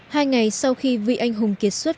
hai ngày sau khi vị anh hùng kiệt xuất